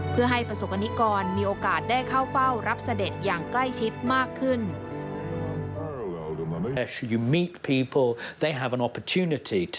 เพื่อให้ประสบกรณิกรมีโอกาสได้เข้าเฝ้ารับเสด็จอย่างใกล้ชิดมากขึ้น